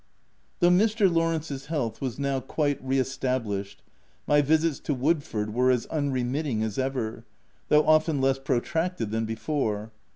Though Mr. Lawrence's health was now quite re established, my visits to Woodford were as unremitting as ever; though often less pro tracted than before.